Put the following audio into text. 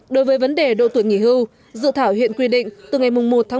đối với vấn đề độ tuổi nghỉ hưu dự thảo hiện quy định từ ngày một một hai nghìn hai mươi một